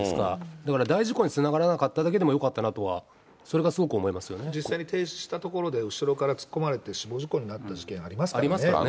だから大事故につながらなかったことだけよかったなとは、それが実際に停止したところで、後ろから突っ込まれて死亡事故になった事件、ありますからね。